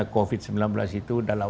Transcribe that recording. covid sembilan belas itu dalam